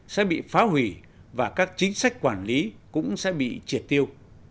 sẽ bị phá hủy và các chính sách quản lý cũng sẽ bị triệt tiêu